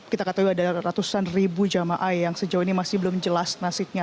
kita ketahui ada ratusan ribu jamaah yang sejauh ini masih belum jelas nasibnya